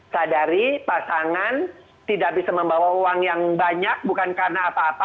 sadari pasangan tidak bisa membawa uang yang banyak bukan karena apa apa